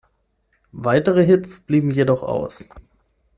Weitere Hits blieben jedoch aus.